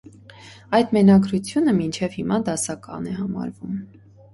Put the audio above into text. Այդ մենագրությունը մինչև հիմա դասական է համարվում։